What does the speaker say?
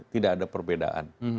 tidak ada perbedaan